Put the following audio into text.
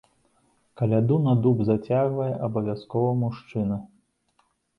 Каляду на дуб зацягвае абавязкова мужчына.